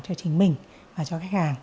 cho chính mình và cho khách hàng